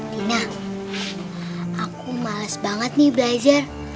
gina aku males banget nih belajar